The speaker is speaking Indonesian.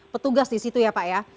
petugas di situ ya pak ya